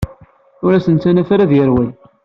Ur d as-ttanef ara ad yerwel.